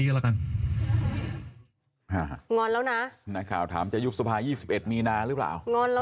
ยุคสภา๒๑มีนาหรือเปล่า